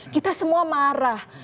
kita semua marah